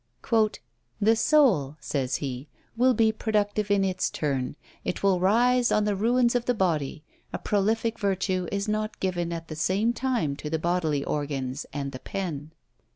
"The soul (says he) will be productive in its turn; it will rise on the ruins of the body; a prolific virtue is not given at the same time to the bodily organs and the pen."